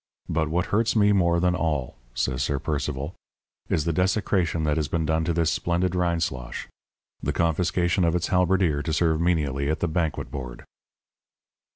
But what hurts me more than all,' says Sir Percival, 'is the desecration that has been done to this splendid Rindslosh the confiscation of its halberdier to serve menially at the banquet board.'